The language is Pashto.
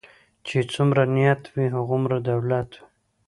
چی څومره نيت وي هغومره دولت وي .